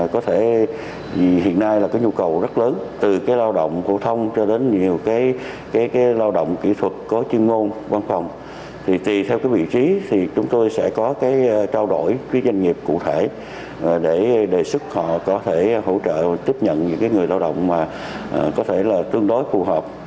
có thể hỗ trợ tiếp nhận những người lao động mà có thể là tương đối phù hợp